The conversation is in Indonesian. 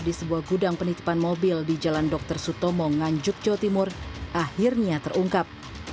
di sebuah gudang penitipan mobil di jalan dr sutomo nganjuk jawa timur akhirnya terungkap